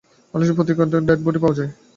বাংলাদেশে প্রতি দিন কয়টা ডেড বডি পাওয়া যায় জানেন?